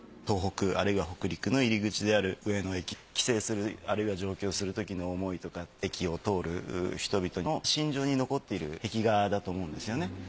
東北あるいは北陸の入り口である上野駅帰省するあるいは上京するときの思いとか駅を通る人々の心情に残っている壁画だと思うんですよね。